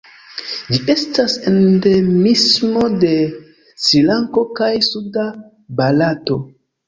Ĝi estas endemismo de Srilanko kaj suda Barato.